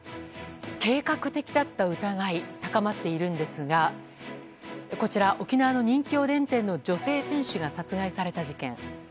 計画的だった疑い高まっているんですがこちら沖縄の人気おでん店の女性店主が殺害された事件。